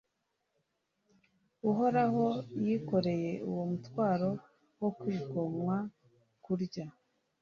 Uhoraho yikoreye uwo mutwaro wo kwigomwa kurya